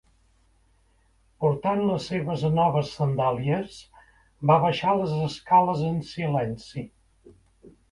Portant les seves noves sandàlies, va baixar les escales en silenci.